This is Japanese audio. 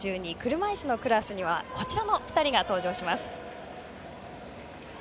車いすのクラスにはこちらの２人が登場します。